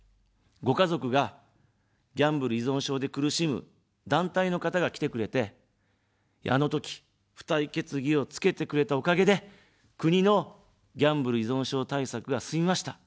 ご家族がギャンブル依存症で苦しむ団体の方が来てくれて、あのとき、付帯決議をつけてくれたおかげで国のギャンブル依存症対策が進みました。